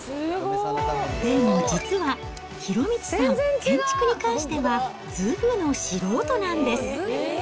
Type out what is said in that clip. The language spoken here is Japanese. でも実は、博道さん、建築に関してはずぶの素人なんです。